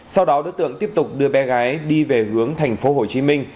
sau đó đối tượng tiếp tục đưa bé gái đi về hướng thành phố hồ chí minh